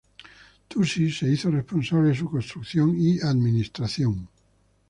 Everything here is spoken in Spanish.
Tusi se hizo responsable de su construcción y administración.